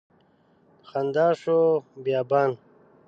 په خندا شو بیابان